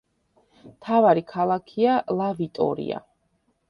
მთავარი ქალაქია ლა-ვიქტორია.